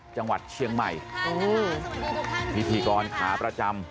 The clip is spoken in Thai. จังหวัดเชียงใหม่สวัสดีค่ะสวัสดีทุกคนพิธีกรขาประจำ